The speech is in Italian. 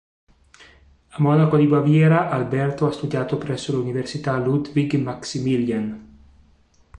A Monaco di Baviera, Alberto ha studiato presso l'Università Ludwig Maximilian.